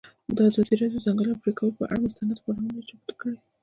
ازادي راډیو د د ځنګلونو پرېکول پر اړه مستند خپرونه چمتو کړې.